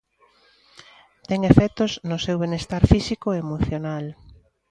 Ten efectos no seu benestar físico e emocional.